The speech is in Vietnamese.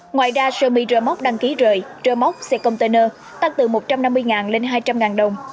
ngoài ra sermi r moc đăng ký rời r moc xe container tăng từ một trăm năm mươi lên hai trăm linh đồng